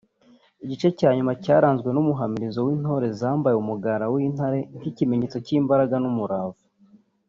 Igice cya nyuma cyaranzwe n’umuhamirizo w’Intore zambaye umugara w’intare nk’ikimenyetso cy’imbaraga n’umurava